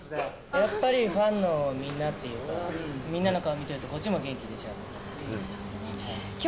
やっぱりファンのみんなっていう、みんなの顔見てるとこっちも元気出ちゃう。